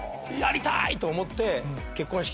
やりたい！と思って。